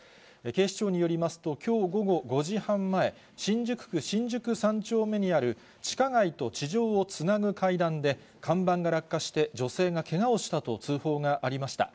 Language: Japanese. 警視庁によりますと、きょう午後５時半前、新宿区新宿３丁目にある、地下街と地上をつなぐ階段で、看板が落下して、女性がけがをしたと通報がありました。